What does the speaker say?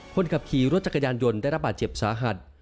คนขับขี่รถจักรยานยนต์ได้รับบาดเจ็บสาหัส